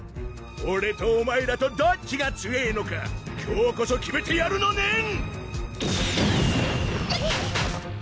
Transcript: オレとお前らとどっちがＴＵＥＥＥのか今日こそ決めてやるのねん！